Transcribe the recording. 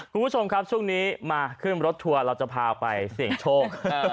คุณผู้ชมครับช่วงนี้มาขึ้นรถทัวร์เราจะพาไปเสี่ยงโชค